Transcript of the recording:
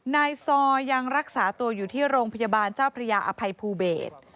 นายซอยังรักษาตัวอยู่ที่โรงพยาบาลเจ้าพระยาอภัยภูเบศ